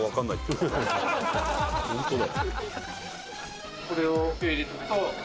ホントだよ。